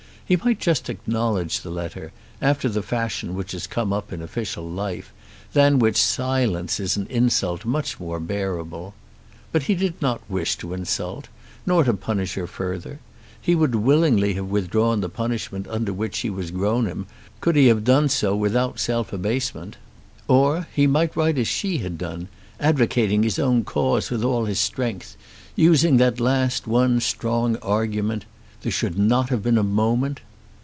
He might just acknowledge the letter, after the fashion which has come up in official life, than which silence is an insult much more bearable. But he did not wish to insult, nor to punish her further. He would willingly have withdrawn the punishment under which she was groaning could he have done so without self abasement. Or he might write as she had done, advocating his own cause with all his strength, using that last one strong argument, "there should not have been a moment."